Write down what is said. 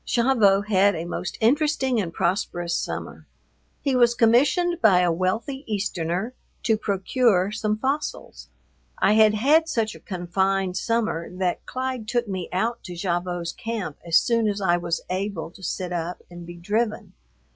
Gavotte had a most interesting and prosperous summer. He was commissioned by a wealthy Easterner to procure some fossils. I had had such a confined summer that Clyde took me out to Gavotte's camp as soon as I was able to sit up and be driven.